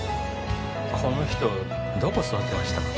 この人どこ座ってました？